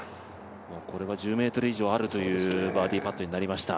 これは１０ｍ以上あるというバーディーパットになりました。